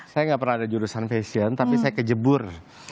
saya gak pernah ada jurusan fashion tapi saya kejebur